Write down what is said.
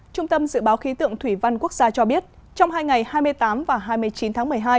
trung tâm dự báo khí tượng thủy văn quốc gia cho biết trong hai ngày hai mươi tám và hai mươi chín tháng một mươi hai